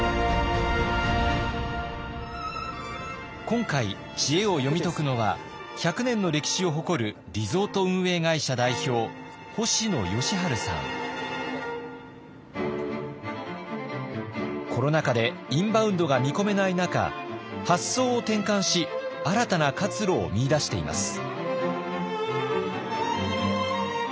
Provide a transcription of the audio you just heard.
今回知恵を読み解くのは１００年の歴史を誇るコロナ禍でインバウンドが見込めない中発想を転換し新たな活路を見いだしています。